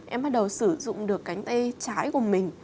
em bắt đầu sử dụng được cánh tay trái của mình